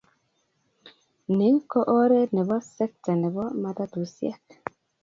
Ni ko oret nebo tes sekta nebo matatusyek.